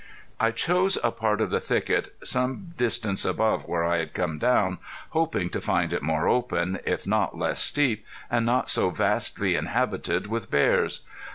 I chose a part of the thicket some distance above where I had come down, hoping to find it more open, if not less steep, and not so vastly inhabited with bears.